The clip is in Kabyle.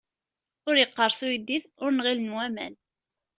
Ur iqqeṛṣ uyeddid, ur nɣilen waman.